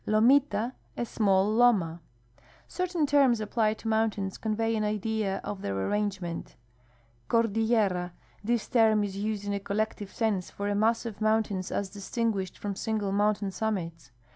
Lomita. — A small loma. Certain terms applied to mountains convey an idea of their arrangement : Cordillera. — This term is used in a collective sense for a mass of moun tains as distinguished from single mountain summits.